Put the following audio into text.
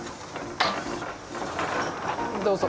どうぞ。